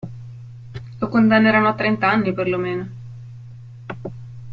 Lo condanneranno a trent'anni per lo meno.